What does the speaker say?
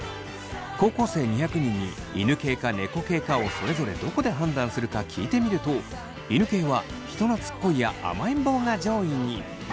高校生２００人に犬系か猫系かをそれぞれどこで判断するか聞いてみると犬系は人なつっこいや甘えん坊が上位に！